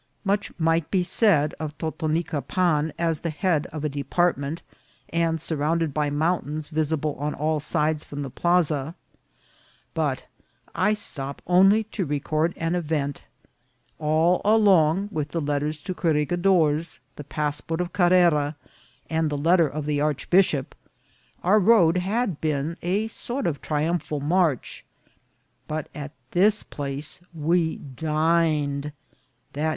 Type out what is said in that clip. Much might be said of Totonicapan as the head of a department, and surrounded by mountains visible on all sides from the plaza ; but I stop only to record an event. All along, with the letters to corregidors, the passport of Carrera, and the letter of the archbishop, our road A REAL DINNER. 201 had been a sort of triumphal march ; but at this place we dined, i. e.